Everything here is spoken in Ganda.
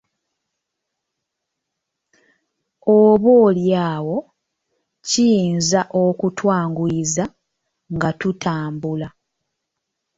Oboolyawo kiyinza okutwanguyiza nga tutambula.